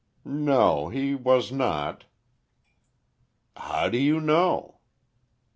"No, he was not—" "How do you know?"